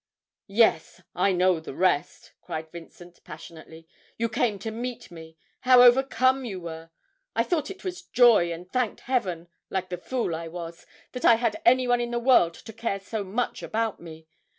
'Yes, I know the rest,' cried Vincent, passionately; 'you came to meet me how overcome you were! I thought it was joy, and thanked Heaven, like the fool I was, that I had anyone in the world to care so much about me!